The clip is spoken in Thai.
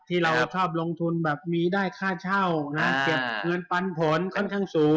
ที่เราชอบลงทุนแบบมีได้ค่าเช่านะเก็บเงินปันผลค่อนข้างสูง